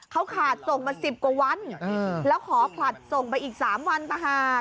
เขาขาดส่งมาสิบกว่าวันแล้วขอขาดส่งไปอีกสามวันนะคะ